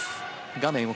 画面奥